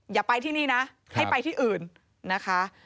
อย่าไปที่นี่นะให้ไปที่อื่นนะคะ